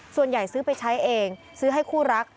ซื้อไปใช้เองซื้อให้คู่รัก